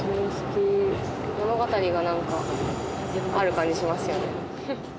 物語がなんかある感じしますよね。